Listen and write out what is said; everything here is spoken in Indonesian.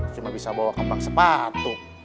cuma bisa bawa kembang sepatu